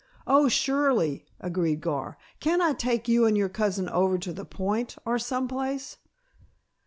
"Oh, surely," agreed Gar. "Can't I take you and your cousin over to the Point, or some place?"